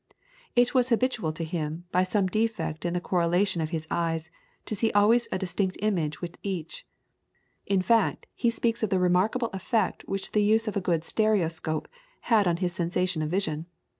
It was habitual to him, by some defect in the correlation of his eyes, to see always a distinct image with each; in fact, he speaks of the remarkable effect which the use of a good stereoscope had on his sensations of vision.